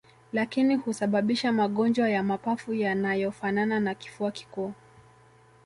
lakini husababisha magonjwa ya mapafu yanayofanana na kifua kikuu